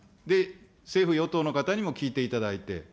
政府・与党の方にも聞いていただいて。